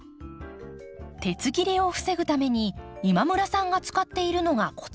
鉄切れを防ぐために今村さんが使っているのがこちら。